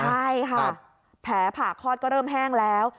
ใช่ค่ะแผลผ่าคลอดก็เริ่มแห้งแล้ว